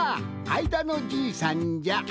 あいだのじいさんじゃ。